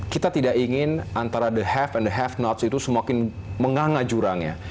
kita tidak ingin antara the have and the have nots itu semakin menganga jurangnya